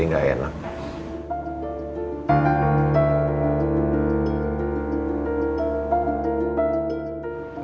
ini vital hal paham